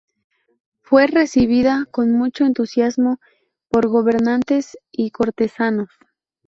Fue recibida con mucho entusiasmo por gobernantes y cortesanos.